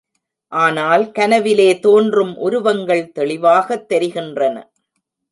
ஆனால் கனவிலே தோன்றும் உருவங்கள் தெளிவாகத் தெரிகின்றன.